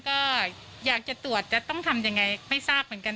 ก็อยากจะตรวจจะต้องทำยังไงไม่ทราบเหมือนกัน